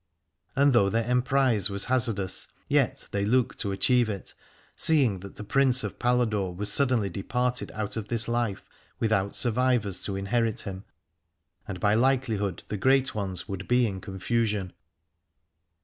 And though their em prise was hazardous, yet they looked to achieve it, seeing that the Prince of Paladore was suddenly departed out of this life without survivors to inherit him, and by likelihood the great ones v^ould be in confusion.